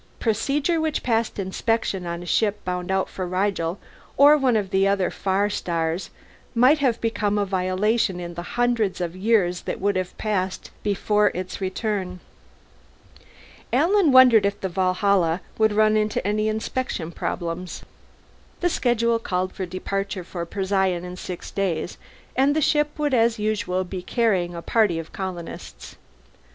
Procedure which passed inspection on a ship bound out for Rigel or one of the other far stars might have become a violation in the hundreds of years that would have passed before its return. Alan wondered if the Valhalla would run into any inspection problems. The schedule called for departure for Procyon in six days, and the ship would as usual be carrying a party of colonists.